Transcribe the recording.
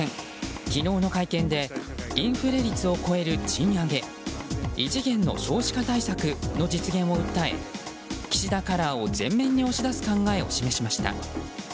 昨日の会見でインフレ率を超える賃上げ異次元の少子化対策の実現を訴え岸田カラーを前面に押し出す考えを示しました。